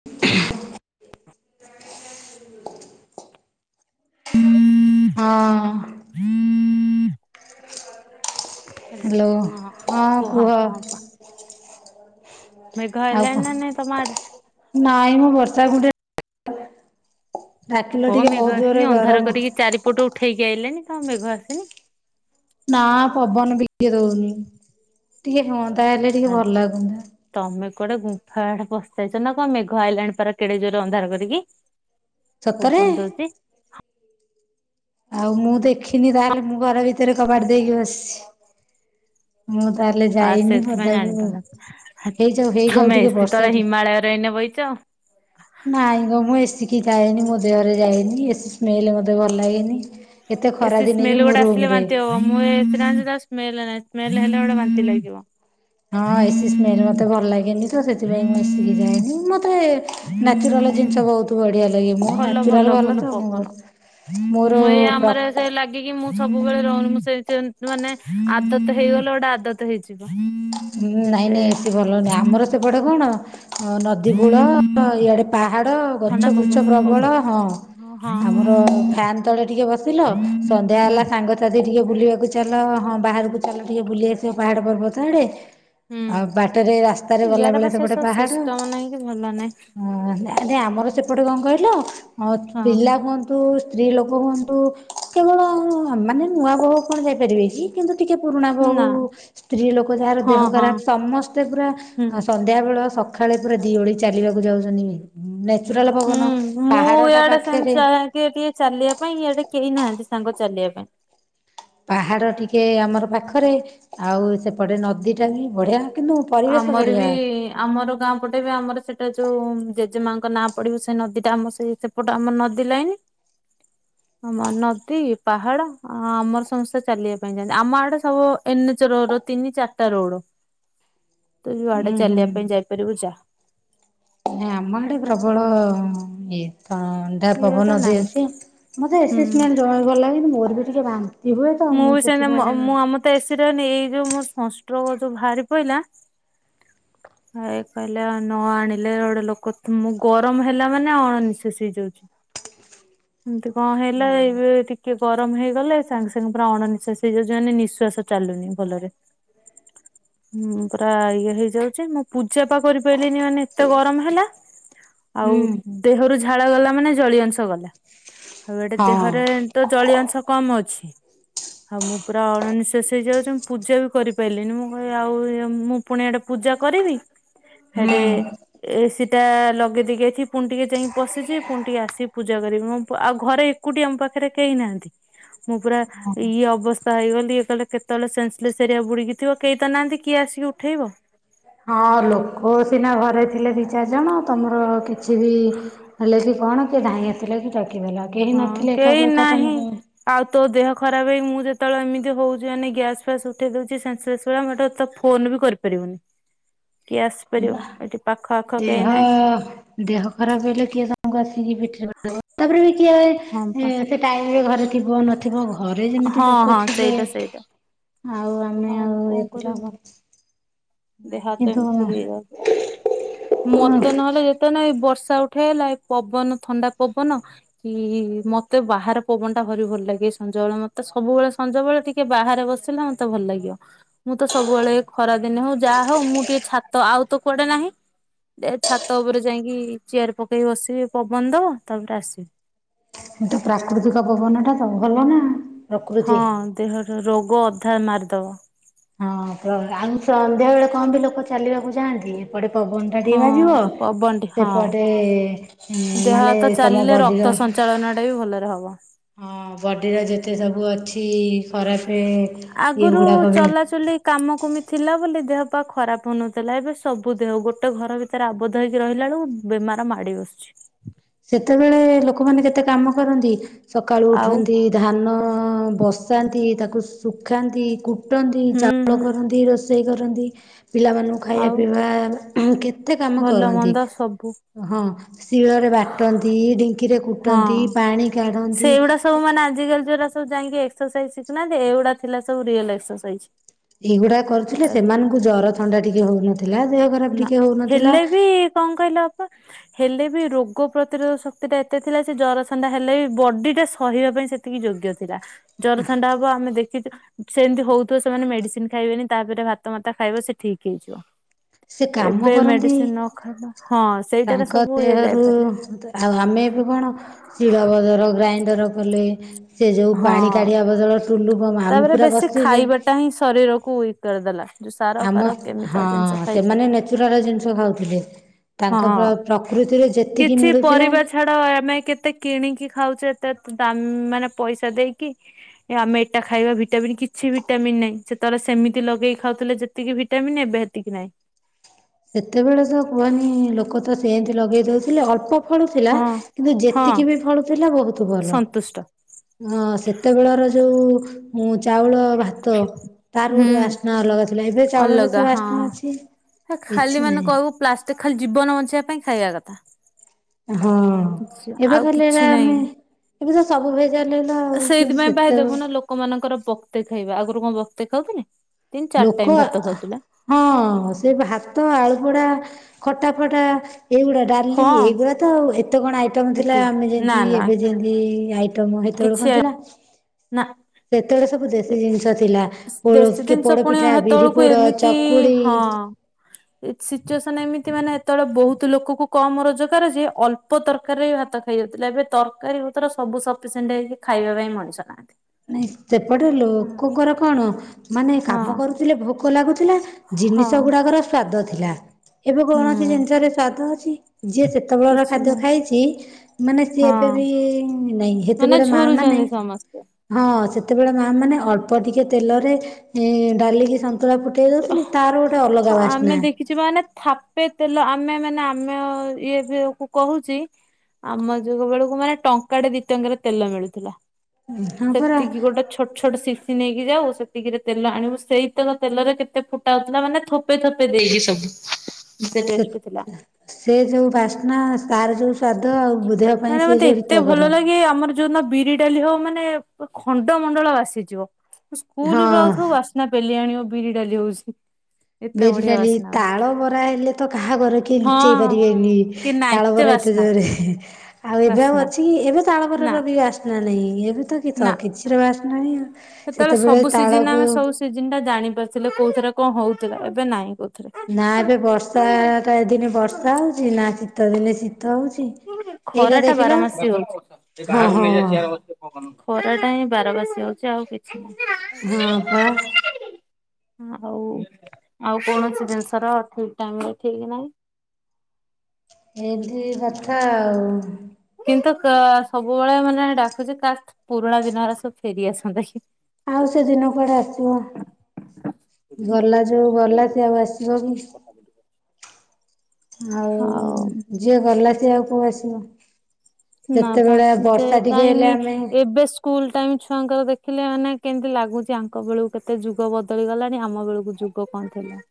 [inaudible] [inaudible] ହଁ। Hello hello ହଁ କୁହ ହଁପା। ମେଘ ଆଉ ଆଇଲାଣି କଣ ନା ନାଇଁ ତମ ଆଡେ? ନାଇଁ ମୋ ବର୍ଷା ଗୋଟେ କଣ ଟିକେ ମେଘ ବହୁତ ଜୋରେ ଆସିନି ଅନ୍ଧାର ଗରମ କରିକି ଚାରିପଟ ଉଠେଇକି ଆଇିଲଣିି କଣ ମେଘ ଆସିନି। ନା ପବନ ବିିକଏ ଦଉନି ଟିକେ ହୁଅନ୍ତା ହେଲେ ଟିକେ ଆରେ ଭଲ ଲାଗୁନ୍ତା। ତମେ କୁଆଡେ ଗୁମ୍ଫା ଆଡେ ପସିଯାଇଛ ନା କଣ ମେଘା ଆଇଲାଣି ପରା କେଡେ ଜୋରରେ ଅନ୍ଧାର କରିକି। ସତରେ [unintelligible] ଆଉ ମୁଁ ଦେଖିନି ତାହେଲେ ମୁଁ ଘର ଭିତରେ କବାଡ ଦେଇକି ବସିଛି। ମୁଁ ତାହେଲେ ହଁ ଯାଇନି ସେଥିପାଇଁ ପଦାକୁ ଜାଣିପାରୁନ ହେଇଯାଉ ହେଇଯାଉ ତମେ ଟିକେ ଏସି ତଳେ ବର୍ଷାଟେ ହିମାଳୟରେ ଏଇନେ ବହିଛ। ନାଇଁ ଗ ମୁଁ ଏସିକି ଯାନି ମୋ ଦେହରେ ଯାଇନି ଏ ସ୍ମେଲ ମତେ ଭଲ ଲାଗେନି। ଏତେ ଏସି ସ୍ମେଲ ଖରାଦିନେବି ଗୋଟେ ମୁଁ ଆସିଲେ ରୁମ ରେ ବାନ୍ତି ହବ ମୁଁ ଏ ସ୍ମ ନାଁ ସ୍ମଲ ହେଲେ ଗୋଟେ ବାନ୍ତି ଲାଗବ। ହଁ ଏସିି ସ୍ମେଲ ମତେ ଭଲ ଲାଗେନି ତ ସେଥିପାଇଁ ମୁଁ ଏସିକି ଯାଏନି ମତେ ନଚୁରାଲ ଜିନିଷ ବହୁତ ବଢିଆ ଲାଗେ ମୋ ନଚୁରାଲ ଭଲ ତ ମୁଁ ମୋର ମୁଁ ଏଇ ପ୍ର ଆମର ସେ ମୁଁ ସବୁବେଳେ ରହୁନିଁ ସେ ମାନେ ଆଦତ ହେଇଗଲେ ଗୋଟେ ଆଦତ ହେଇଯିବ। ହଁ ନାଇଁ ଯେତେ ନାଇଁ ଏସିି ଭଲ ନାହିଁ ଆମର ସେପଟେ କଣ ନଦୀ କୂଳ ଇଆଡେ ପାହାଡ ଥଣ୍ଡା ପବନ ପବନ ହଁ ହଁ ହଁ। [unintelligible] ଳେ ଟିକେ ବସିଲ ସନ୍ଧ୍ୟା ହେଲା ସାଙ୍ଗ ତାଦି ଟିକେ ବୁଲିବାକୁ ଚାଲ ହଁ ବାହାରକୁ ଚାଲ ଟିକି ବୁଲି ଆସିବ ପାହାଡ଼ ପର୍ବତ ଆଡ଼େ। ହୁଁ ଆଉ ବାଟରେ ରାସ୍ତାରେ ଗଲା ଇଆଡେ ବା ବେଳେ ସେ ସେପଟେ ସବୁ ପାହାଡ ସିଷ୍ଟମ ନାହିଁ କି ଭଲ ନାହିଁ ହ ଆରେ ଆମର ସେପଟେ କଣ କହିଲ ଅତ ପିଲା ହଁ କୁ ତୁ ସ୍ତ୍ରୀ ଲୋକ ହୁଅନ୍ତୁ କେବଳ ମାନେ ନୂଆ ବହ କଣ ଯାଇପାରିବେ କି କିନ୍ତୁ ଟିକେ ପୁରୁଣା ବୋହୁ ନା। ସ୍ତ୍ରୀ ଲୋକ ଯାହାର ହଁ ଦେହ ହଁ ଖରାପ ସମସ୍ତେ ପୁରା ଆ ହୁଁ। ସ ସନ୍ଧ୍ୟାବେଳ ସକ ଖାଳେ ପୁରା ଦି ଓଳି ଚାଲିବାକୁ ଯାଉଛନ୍ତି ନେଚୁରାଲ ହୁଁ ପବନ ପାହାଡ ଟା ପାଖେରେ ଟିଏ ଟିଏ ଚାଲିବା ପାଇଁ ଏଆଡ଼େ କେହି ନାହାନ୍ତି ସାଙ୍ଗ ଚାଲିବା ପାଇଁ। ପାହାଡ଼ ଟିକେ ଆମର ପାଖରେ ଆଉ ସେପଟେ ନଦୀଟା ବି ବଢ଼ିଆ କିନ୍ତୁ ପରିବେଶ ଆମର ବଢ଼ିଆ। ବି ଆମର ଗାଁ ପଟେ ବି ଆମର ସେଇଟା ଯୋଉ ଜେଜେମାଙ୍କ ନାଁ ପଡିବୁ ସେ ନଦୀଟା ଆମ ସେଇ ସେପଟ ଆମର ନଦୀ ଲାଇନ ଆମ ନଦୀ ପାହାଡ ଆମର ସମସ୍ତେ ଚାଲିବା ପାଇଁ ଯାଆନ୍ତି ଆମ ଆଡେ ସବୁ ଏନ ଏଚ ରୋଡ ତିନି ଚାରିଟା ରୋଡ। ତୁ ଯୁଆଡେ ହୁଁ ଚାଲିବା ପାଇଁ ଯାଇପାରିବୁ ଯା। ନାଁ ଆମ ଆଡେ ପ୍ରବଳ ଇଏ ତ ଡା ଇଆଡେ ପବନ ଦେଇ ନାହିଁ ଅଛି ମୋତେ ଏ ହୁଁ ସି ସ୍ମେଲ ଜମାରୁ ଭଲଲାଗେନି ମୋର ବି ଟିକେ ଭାନ୍ ତି ହୁଏତ ମୁଁ ବି ସେମିତି ମ ସେଥିପାଇଁ ମୁଁ ଆମ ତ ଏ ସି ନେଇ ଏଇ ଯଉ ସଣ୍ଟ୍ରୋକ ଭାହାରି ଯୋଉ ପାଇଲା ହ [inaudible] [inaudible] ଭାଇ କହିଲେ ନ ଆଣିଲେ ଗୋଡେ ଲୋକ ମୁଁ ଗରମ ହେଲା ମାନେ ଅଣ ନିଃଶ୍ୱାସି ହେଇଯାଉଚି। [inaudible] ଏମତି କଣ ହେଲାବେଳେ ଏବେ ଟିକେ ଗରମ ହେଇଗଲେ ସାଙ୍ଗ ତେଣୁ ପୁରା ଅଣନିଶ୍ଵାସ ହେଇଯାଉ ମାନେ ନିଶ୍ଵାସ ଚାଲୁନି ଭଲରେ। ହୁଁ ପୁରା ଇଏ ହେଇଯାଉଚି ମୁଁ ପୂଜା ପା କରିପାଇଲିନି ମାନେ ଏତେ ଗରମ ହେଲା। ଆଉ ହୁଁ ଦେହରୁ ଝାଳ ଗଲା ମାନେ ଜଳୀୟଅଂଶ ଗଲା ଆଉ ଏଟା ହଁ ଦେହରେ ତ ଜଳୀୟ ଅଂଶ କମ୍ ଅଛି ଆଉ ମୁଁ ପୁରା ଅଣନିଶ୍ୱାସି ହେଇଯାଉଚି ମୁଁ ପୂଜା ବି କରିପାରିଲିନି ମୁଁ କହି ଆଉ ଇଏ ମୁଁ ପୁଣି ଇଆଡ଼େ ପୂଜା କରିବି ହୁଁ ହେଆଡେ ଏ ସି ଟା ଲଗେଇ ଦେଇକିଆଇଥିବ ପୁଣି ଟିକେ ଯାଇକି ପଶିଚି ପୁଣି ଟିକେ ଆସିିକି ପୂଜା କରିବି ମୁଁ ପୁ ଆଉ ଘରେ ଏକୁଟି ଆମ ପାଖରେ କେହି ନାହାନ୍ତି। ମୁଁ ପୁରା ଇଏ ଅବସ୍ଥା ହେଇଗଲି ଇଏ କହଲେ କେତେବେଳେ ସେନ୍ସଲେସ୍‌ ଏରିଆ ବୁଡିକିଥିବ କେହି ତ ନାହାନ୍ତି କିଏ ଆସିକି ଉ ଠେଇବ। ହଁ ଲୋକ ସିନା ଘରେ ଥିଲେ ଦି ଚାରି ଜଣ ତମର କିଛି ବି ହେଲେ କି କଣ କିଏ ଧାଇଁ ଆସିଲେ କି ଟେକିଦେଲା କେହି ହଁ ନଥିଲେ କେହି ଏକାକୁ ଏକା ତମେ ନାହିଁ। କୁ ଆଉ ତୋ ଦେହ ଖରାପ ହେଇ ମୁଁ ଯେତେବେଳେ ଏମିତି ହୋଉଚି ମାନେ ଗ୍ୟାସ ଫ୍ୟାସ ଉଠେଇ ଦେଉଚି ସେନ୍ସଲେସ୍‌ [unintelligible] ଏଟା ତୋ ଫୋନ ବି କରିପାରିବୁନି କିଏ ଆସିପାରିବ ଏଠି ପାଖ ଆଖ ଦେହ କେହି ନାହିଁ ଦେହ ଖରାପ ହେଲେ କିଏ ସାଙ୍ଗ ଆସିକି ପେଠିରେ ତାପରେ କିଏ ହଁ ପା ସେ ଟାଇମରେ ଘରେ ଥିବ ନଥିବ ଘରେ ଯେମିତି ହଁ ଲୋକ ଥିବେ ସେଇଟା ସେଇଟା ଆଉ ଆମେ ହଁ ଆଉ କଣ ଏଗୁରା କରିବୁ। ଦେହ ନାଇଁ ହାତ କିନ୍ତୁ ଏମତି ହେଇଗଲା ମତେ ନହେଲେ ଯେ ତ ନାହିଁ ଏ ବର୍ଷା ଉଠେଇଲା ଏ ପବନ ଥଣ୍ଡା ପବନ ଇ ମତେ ବାହାରେ ପବନ ଟା ଭାରି ଭଲ ଲାଗେ ସଞ୍ଜ ବେଳେ ମତେ ସବୁବେଳେ ସଞ୍ଜ ବେଳେ ଟି ଟିକେ ବାହାରେ ବସିଲେ ମତେ ଭଲ ଲାଗିବ। ମୁଁ ତ ସବୁବେଳେ ଏ ଖରା ଦିନେ ହଉ ଯାହା ହଉ ମୁଁ ଟିକେ ଛାତ ଆଉ ତ କୁଆଡେ ନାହିଁ। ଏ ଛାତ ଉପରେ ଯାଇଁକି ଚେୟାର ପକେଇ ବସିବି ପବନ ଦବ ତାପରେ ଆସିବି। ସେଟା ପ୍ରାକୃତିକ ପବନ ଟା ତ ଭଲ ନା। ହଁ ପ୍ରକୃତି। ଦେହରେ ରୋଗ ଅଧା ମାରିଦବ। ହଁ ଆଉ ସନ୍ଧ୍ୟାବେଳେ କହନ୍ତି ଲୋକ ଚାଲିବାକୁ ଯାଆନ୍ତି ଏପଟେ ପବନ ଟିକେ ହଁ ବାଜିବ ପବନଟି ହଁ ସେପଟେ ମାନେ ତମ ବଡିର ଚାଳନାଟା ବି ଭଲରେ ହବ। ହଁ ବଡ଼ିର ଯେତେ ସବୁ ଅଛି ଖରାପେ। ଆଗରୁ ଚଲାଚୁଲି କାମ କୁମି ଥିଲା ବୋଲି ଦେହ ପା ଖରାପ ହଉନଥିଲା ଏବେ ସବୁ ଦେହ ଗୋଟେ ଘର ଭି ସେରା ଆବଦ୍ଧ ହେଇକି ରହିଲାକୁ ବେ ବେମାର ମାଡ଼ି ବସୁଛି। ସେତେବେଳେ ଲୋକମାନେ କେତେ କାମ କରନ୍ତି ସକାଳୁ ଆଉ ଉଠନ୍ତି ଧାନ ବସାନ୍ତି ତାକୁ ଶୁଖାନ୍ତି କୁଟନ୍ତି ହୁଁ ଚାଉଳ ହୁଁ କରନ୍ତି ରୋଷେ ରୋଷେଇ କରନ୍ତି ପିଲାମାନଙ୍କୁ ଖାଇବା ଆଉ ପିଇବା କେତେ କାମ ଭଲ କରନ୍ତି। ମନ୍ଦ ସବୁ ହଁ ଶିଳରେ ବାଟନ୍ତି ଢିଙ୍କିରେ ହଁ। କୁଟନ୍ତି ପାଣି କାଢନ୍ତି। ସେଇଗୁଡା ସବୁ ମାନେ ଆଜି କାଲି ଯୋରା ଯଉ ଯାଇଁକି ଏକ୍ସରସାଇଜ ଶିଖୁ ନାହାନ୍ତି ଏଇ ଏଗୁଡା ଥିଲା ସବୁ ରିୟଲ ଏକ୍ସରସାଇଜ। ଏଇଗୁଡା କରୁଥିଲେ ସେମାନଙ୍କୁ ଜର ଥଣ୍ଡା ଟିକେ ହଉନଥିଲା ଦେହ ଖରାପ ଟିକେ ହଉନଥିଲା। ଏ କଣ କହିଲ [inaudible] ହେଲେ ବି ରୋଗ ପ୍ରତିରୋଧ ଶକ୍ତି ଟା ଏତେ ଥିଲା ଯେ ଜର ଥଣ୍ଡା ହେଲେ ବି ବଡି ଟା ସହିବା ପାଇଁ ସେ ଏତିକି ଯୋଗ୍ୟ ଥିଲା ଜର ଥଣ୍ଡା ହବ ଆମେ ଦେଖ ସେମିତି ହଉଥିବ ସେମାନେ ମେଡିସିନ ଖାଇବେନି ତାପରେ ଭାତ ମାତା ଖାଇବ ସେ ଠିକ୍ ହେଇଯିବ। ସେ କାମ ଏବେ କରନ୍ତି ମେଡିସିନ ନ ଖାଇଲା ହଁ। ସେଇଟାରେ ତାଙ୍କ ସବୁ ଇଏ ଦେହରୁ ଯାଇପାରିବ ଆଉ ଆମେ ଏବେ କଣ ଶିଳ ବଜର ଗ୍ରାଇଣ୍ଡର କଲେ। ସେ ଯେଉଁ ହଁ। ପାଣି କାଢ଼ିବା ବଦଳ ଟୁଲୁପ ମା ତାପରେ ବେଶୀ ଖାଇବାଟା ହିଁ ଶରୀରକୁ ୱିକ କରିଦେଲା। ଯୋଉ ସାର ଆମ ଫାର କେମିକାଲ ହଁ ଜିନିଷ ଖାଇକି ସେମାନେ ନେଚୁରାଲ ଜିନିଷ ଖାଉଥିଲେ। ତାଙ୍କ ପ୍ର ହଁ। ପ୍ରକୃତିରେ ଯେତିକି କିଛି ମିଳୁଥିଲା ପରିବା ଛାଡ ଆମେ କେତେ କିଣିକି ଖାଉଛେ ଏତେ ଦାମ ମାନେ ପଇସା ଦେଇକି ଆମେ ସେଟା ଖାଇବା ଭିଟାମିନ୍ କିଛି ଭିଟାମିନ ନହିଁ ସେତେବେଳେ ସେମିତି ଲଗେଇି ଖାଉଥିଲେ ଯେତିକି ଭିଟାମିନ୍ ଏବେ ହେତିକି ନାଇଁ। ସେତେବେଳେ ତ କୁହନି ଲୋକ ତ ସେମତି ଲଗେଇ ଦଉଥିଲେ ଅଳ୍ପ ଫଳୁଥିଲା ହଁ କିନ୍ତୁ ହଁ ଯେତିକି ବି ଫଳୁଥିଲା ବହୁତ ଭଲ। ସନ୍ତୁଷ୍ଟ ହଁ ସେତେବେଳର ଯୋଉ ମୁଁ ଚାଉଳ ଭାତ ତାର ହୁଁ ଗୋଟେ ବାସ୍ନା ଅଲଗା ଥିଲା ଏବେ ଚାଉଳର ଅଲଗା ସେ ହଁ। ବାସ୍ନା ଅଛି। କିଛି ଖାଲି ମାନେ ନାହିଁ କହିବୁ ପ୍ଲାଷ୍ଟିକ ଖାଲି ଜୀବନ ବଞ୍ଚେଇବା ପାଇଁ ଖାଇବା କଥା। ହଁ ଏବେ ଆଉ ଖାଲି କିଛି ଏଟା ନାହିଁ। ଆମେ ଏବେ ତ ସବୁ। ଜଲ ହେଲା ଆଉ କିନ୍ତୁ ସେତେବେଲ। ଲୋକମାନାନଙ୍କର ବକ୍ତେ ଖାଇବା ଆଗରୁ କଣ ବକ୍ତେ ଖାଉଥିଲେ। ତିନି ଚାରି ଟାଇମ ଲୋକ ଭାତ ଖାଉଥିଲା ଆ ହଁ ସେ ଭାତ ଆଳୁପଡା ଖଟା ଫଟା ଏଇଗୁଡା। ଡାଲି ହଁ ଏଗୁଡ଼ା ତ ଏତେ କଣ ଆଇଟମ୍ ଥିଲା ଲିପି ଆମେ ନା ଯେମତି ନା ଏବେ ଯେମତି ଆଇ ଟମ୍ ସେତେବେଳକୁ କିଛି କଣ ଥିଲା। ନା। ସେତେବେଳେ ସବୁ ଦେଶୀ ଜିନିଷ ଥିଲା ଦେଶୀ ଜିନିଷ ପୋଡ ପୁଣି ପିଠା ବିରି ହେତେବେଳକୁ ପୋଡ ଏମିତି ଚକୁଳି। [inaudible] ହଁ ସିଚୁଏସନ ଏମିତି ମାନେ ସେତେବେଳେ ବହୁତ ଲୋକ କୁ କମ ରୋଜଗାର ଯ ଅଳ୍ପ ତରକାରୀ ବି ହାତ। ହେଇଯାଉଥିଲା ଏବେ ତରକାରୀ ପତର ସବୁ ସଫିସିଣ୍ଟ ହେଇକି ଖାଇବା ପାଇଁ ମଣିଷ ନାହାନ୍ତି। ନାଇ ସେପଟେ ଲୋକଙ୍କର କଣ ମାନେ ହଁ କାମ କରୁଥିଲେ ଭୋକ ଲାଗୁଥିଲା ହଁ ଜିନିଷ ଗୁଡାକର ସ୍ଵାଦ ଥିଲା ଏବେ ହୁଁ କୌଣସି ଜିନିଷରେ ସ୍ଵାଦ ଅଛି ଯିଏ ସେ କେତେବେଳର କିଛି ଖାଦ୍ୟ ନାହିଁ ଖାଇଛି ମାନେ ସିଏ ଏବେ ହଁ ବି ନାଇଁ ମାନେ ହେତେବେଳେ ମା ମାନେ ଝୁରୁଛନ୍ତି ସମସ୍ତେ। ହଁ ସେତେବେଳେ ମା ମାନେ ଅଳ୍ପ ଟିକେ ତେଲରେ ଡାଲିକି ସନ୍ତୁ ସନ୍ତୁଳା ଫୁଟେଇ ଦୋଉଥିଲି ତାର ଗୋଟେ ଅଲଗା ବାସ୍ନା। କିଛି ମାନେ ଥାପେ ତେଲ ଆମେ ମାନେ ଆମେ ଇଏ ଫିଏ କୁ କୋହୁଚି। ଆମ ଯୁଗ ବେଳକୁ ମାନେ ଟଙ୍କାଟେ ଦିଇ ଟଙ୍କିାରେ ତେଲ ମିଳୁଥିଲା। ହଁ ପରା ସେତିକି ଗୋଟେ ଛୋଟ ଛୋଟ ସିସିି ନେଇକି ଯାଉ ସେତିକିରେ ତେଲ ଆଣିବୁ ସେଇତ କଥା। ତେଲରେ କେତେ ଫୁଟା ହୋଉଥିଲା ମାନେ ଥୋପେ ଥୋପେ ଦେଇକି ସବୁ। ଏତେ ସେ ଟେଷ୍ଟି ଥିଲା। ସେ ଯେଉ ବାସ୍ନା ତାର ଯେଉ ସାଧଦ ଆଉ ବୃଧେ ପାଇଁ ସିଏ ଯୋଉ ବିତାପର। ଯୋଉ ଦିନ ବିରି ଡାଲି ହବ ମାନେ ଖଣ୍ଡ ମଣ୍ଡଳ ବାସିଯିବ ହଁ। ସ୍କୁଲୁରୁଆଉଥିବୁ ବସିଥିବ। ନା ପେଲି ଆଣି ଆଉ ବିରି ଡାଲି ହୋଉଚି। ବିରିଡାଲି ତାଳ ବରା ହେଲେ ତ କାହା ଘରେ କିଏ ଲୁଚେଇ ହଁ ପାରିବେନି। କି ନା ତାଳବରା ଏତେ ବାସ୍ନା ଜୋରେ ଆଉ ଏବେ ଆଉ ବାସ୍ନା ଅଛି କି ଏବେ ନା ତାଳବରାରେ ବି ବାସ୍ନା ନାହିଁ ଏବେ ତ କି ତ ନା। କିଛିର ବାସ୍ନା ନାହିଁ ଆଉ। ସେତେବେଳେ ତାଳକୁ ସିଜିନ ଟା ଜାଣି ପାରଥିଲେ କୋଉଥିଥରେ କଣ ହୋଉଥିଲା ଏବେ ନାଇଁ କୋହୁ ନା ଏବେ ବର୍ଷାଟା ଏ ଦିନେ ବର୍ଷା ହୋଉଚି ନା ଶୀତ ଦିନେ ଶୀତ ହୋଉଚି। ଖରା ଟା ବାର ମାସି ହୋଉଚି। ହଁ ହଁ ଖରା ଟା ହିଁ ବାରବାସିୀ ହୋଉଚି ଆଉ କିଛି ହଁ ପା। ନାହିଁ। ଆଉ ଆଉ କୌଣସି ଜିନିଷ ର ଠିକ୍ ଟାଇମ ରେ ଠିକ ନାହିଁ। ଏ ତିକି କଥା ଆଉ। କିନ୍ତୁ କା ସବୁବେଳେ ମାନେ ଡାକୁଛି କାଶ୍ ପୁରୁଣା ଦିନଗୁରା ସବୁ ଫେରିଆସନ୍ତାକି। ଆଉ ସେ ଦିନ କୁଆଡେ ଆସିବ। ଗଲା ଯୋଉ ଗଲା ସେ ଆଉ ଆସିବ କି? ଆଉ ଯିଏ ଗଲା ସିଏ ଆଉ କୋଉ ଆସିବ। ନା ପା ସେତେବେଳେ ସେ ବର୍ଷା ଟିକେ ହେଲେ ତାଇମି ଆମେ ଏବେ ଶୁ ସ୍କୁଲ୍ ଟାଇମ୍ ଛୁଆଙ୍କର ଦେଖିଲେ ମାନେ କେମିତି ଲାଗୁଛି ଆଙ୍କ ବେଳକୁ କେତେ ଯୁଗ ବଦଳିଗଲାଣି ଆମ ବେଳକୁ ଯୁଗ ଯୁଗ କଣ ଥିଲା।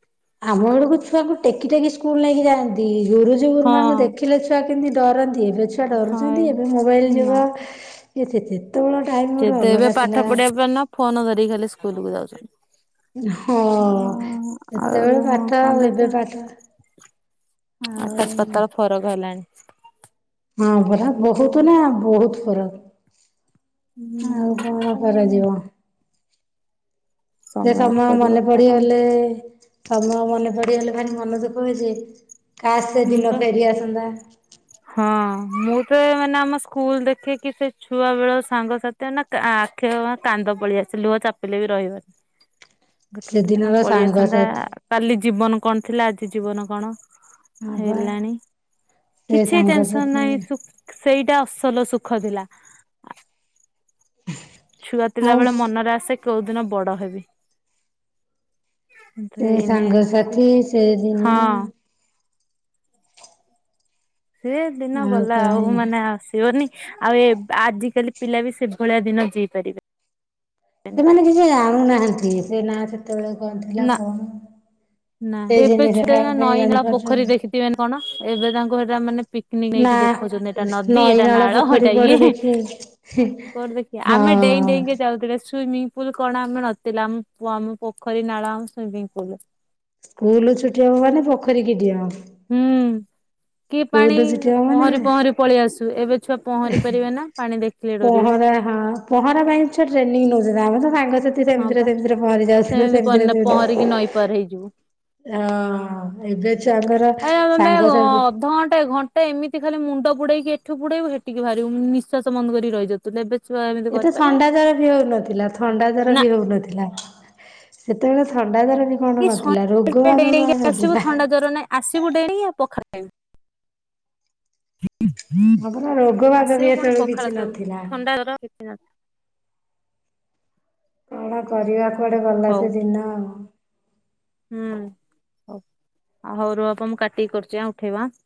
ଆମ ବେଳକୁ ଛୁଆକୁ ଟେକି ଟେକି ସ୍କୁଲ ନେଇକି ଯାଆନ୍ତି ଗୁରୁଜୀ ହଁ ଗୁରୁମାାନଙ୍କୁ ଦେଖି ଦେଖିଲେ ଛୁଆ କେମିତି ଡରନ୍ତି ଏବେ ଛୁଆ ହାଏ ଡରୁଛନ୍ତି ଏବେ ମୋବାଇଲ୍ ନା ଯୁଗ ଥି କେତେବେଳେ ଟାଇମ୍ ଗୋଟେ ଯେତେ ଏବେ ଅଲଗା ପାଠ ଥିଲା। ପଢିବା ପାଇଁ ନା ଫୋନ ଧରିକି ଖାଲି ସ୍କୁଲକୁୁ ଯାଉଚନ୍ତି। ହଁ ଆଉ ସେତେବେଳେ ପାଠ କଣ ଆଉ ଏବେ ଦେଖିଆ। ପାଠ ଆଉ ଆକାସପାତଳ ଫରକ ହେଲାଣି। ହଁ ପରା ବୋହୁତ ହୁଁ ନା ବୋହୁତ ଫରକ ଆଉ। କଣ କରାଯିବ। ସେ ସମୟ ମନେ ପଡିଗଲେ ତମ ମନେ ପଡିଗଲେ ଭାରି ମନ ଦୁଃଖ ହୁଏ ଯେ କାଶ୍ ହୁଁ ସେଦିନ ପା ଫେରିଆସନ୍ତା। ହଁ ମୁଁ ତ ମାନେ ଆମ ସ୍କୁଲ ଦେଖେ କିି ସେ ଛୁଆ ବେଳ ସାଙ୍ଗସାଥି ତୁ ଏଇନେ ଆଖି ରୁ କାନ୍ଦ ପଳିଆସେ ଲୁହ ଚାପିଲେ ବି ରହିବନି। ଫ ଗୋଟେ ଗୋଟେ ଦିନ ପଳେଇଆସନ୍ତା କାଲି ଜୀବନ କଣ ଥିଲା ଆଜି ଜୀବନ କଣ ହଁ ବା ହେଲାଣି। ସେ କିଛି ଟେନସନ ସାଙ୍ଗସାଥି ନାହିଁ ସେଇଟା ଅସଲ ସୁଖ ଥିଲା। ହ ଛୁଆ ଥିଲାବେଳେ ମନରେ ଆସେ କୋଉ ଦିନ ବଡ ହେବି। ଏଇନେ ଆସୁ ସାଙ୍ଗସାଥି ସେଦିନ ହଁ। ସେ ଦିନ ଗଲା ଆଉ ମାନେ ଆସିବନି। ଆଉ ଏ ଆଜିକାଲି ପିଲା ବି ସେଭଳିଆ ଦିନ ଯିପାରିବେ। ସେମାନେ କିଛି ଜାଣୁନାହାନ୍ତି ସେ ନା ସେତେବେଳେ କଣ ଥିଲା ନା କଣ ନା ସେଇ ଏବେ ଜିନିଷ ଟା କାଇଁ ନଈ ନାଳ ପୋଖରୀ ଜାଣିପାରୁଛନ୍ତି ଦେଖିଥିବେନି କଣ ଏବେ ତାଙ୍କୁ ସେଟା ମାନେ ପି କି ନା ନେଇକି ଦେଖାଉଛନ୍ତି ଏଇଟା ନଦୀ ନଈ ଏଟା ନାଳ ପୋଖରୀ ଏଇଟା କୁଆଡୁ ଇଏ ଦେଖି କଟ ଦେଖ ହଁ ଆମେ ଡେଇଁ ଡେଇଁକା ଯାଉଥିଲେ ସୁଇମିଙ୍ଗ ପୁଲ କଣ ଆମେ ନଥିଲା ଆମ ଆମ ପୋଖରୀ ନାଳ ଆମ ସୁଇମିଙ୍ଗ ପୁଲ। ସ୍କୁଲ ଛୁଟି ହବ ମାନେ ପୋଖରୀକି ଡ଼ିଅଁ। ହୁଁ କି ପାଣି ଝିଅ ମାନେ ପହଁରି ପହଁରି ପଳେଇ ଆସୁ ଏବେ ଛୁଆ ପହଁରି ପାରିବେ ନା ପାଣି ଦେଖିଲେ ଡରିବେ। ପହଁରା ହଁ। ପହଁରା ପାଇଁ ଛ ଟ୍ରେନିଂ ନେଉଛନ୍ତି ଆମେ ତ ସାଙ୍ଗ ସାଥି ହଁ ସେମିଦିରେ ପା ସେମିଦିରେ ପହଁରି ଯାଉଥିଲୁ ସେମିତି ସେମିତିରେ ପନ ସେମିଦିରେ। ପହଁରିକି ନଈ ପାର ହେଇଯିବୁ। ହଁ ଏବେ ଛୁଆ [unintelligible] ଅଧଘଣ୍ଟା ଘ ଟେ ଏମିତି ଖାଲି ମୁଣ୍ଡ ବୁଡେଇକି ଏଠୁ ବୁଡେଇବୁ ହେଟିକି ବାହାରିବୁ ନିଶ୍ୱାସ ବନ୍ଦ କରିକି ରହିଯା [unintelligible] ଏତେ ଥଣ୍ଡା ଜର ବି ହଉନଥିଲା ଥଣ୍ଡା ଜର ବି ହଉନଥିଲା। ସେତେବେଳେ ଥଣ୍ଡା ଧର ବି କି କଣ ନଥିଲା ରୋଗ ସନ୍ଧ୍ୟାବେଳେ ଆ ଡେଇଁ ଡେଇଁକି ଆସିବୁ ନଥିଲା। ଥଣ୍ଡା ଜର ନାହିଁ ଆସିବୁ ଡେଇ ଆ ପଖାଳ ଖାଇବୁ। ହଁ ପରା ରୋଗ ବାଗ ବି ଆସିବୁ କଣ ହେତେବେଳେ କିଛି ପଖାଳ ଦେଉ ନଥିଲା। ଥଣ୍ଡା [unintelligible] କଣ କରିବା କୁଆଡେ ଗଲା ହଉ ସେ ଦିନ ଆଉ। ହୁଁ ହଉ ଆ ହଉରୁ ଆପ ମୁଁ କାଟିକି କରୁଚ ଆ ଉଠେଇବା।